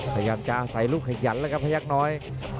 พยายามจะอาศัยลูกขยันแล้วครับพยักษ์น้อย